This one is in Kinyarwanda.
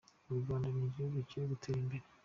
U Rwanda ni igihugu kiri gutera imbere.